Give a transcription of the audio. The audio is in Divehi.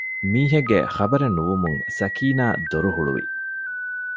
މީހެއްގެ ޚަބަރެއް ނުވުމުން ސަކީނާ ދޮރު ހުޅުވި